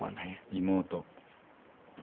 妹。